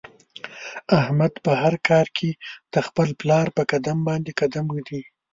احمد په هر کار کې د خپل پلار په قدم باندې قدم ږدي.